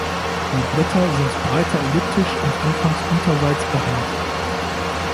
Die Blätter sind breiter elliptisch und anfangs unterseits behaart.